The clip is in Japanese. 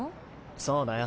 そうだよ。